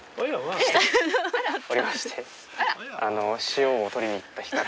塩を取りに行った日から。